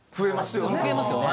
増えますよね。